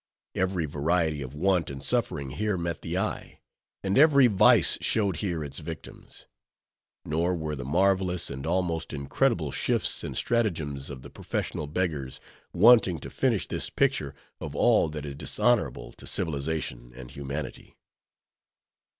Every variety of want and suffering here met the eye, and every vice showed here its victims. Nor were the marvelous and almost incredible shifts and stratagems of the professional beggars, wanting to finish this picture of all that is dishonorable to civilization and humanity.